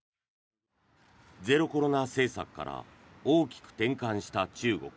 ゼロコロナ政策から大きく転換した中国。